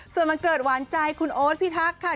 ส่วนวันเกิดหวานใจคุณโอ๊ตพิทักษ์ค่ะ